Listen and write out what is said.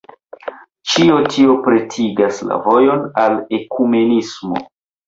Ĉio tio pretigas la vojon al ekumenismo.